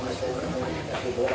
kasus orang penyadap